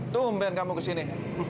tunggu bentar kamu kesini